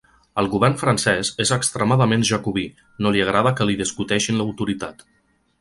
El govern francès és extremadament jacobí, no li agrada que li discuteixin l’autoritat.